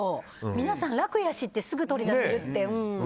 皆さん、楽やしってすぐ取り出せるから。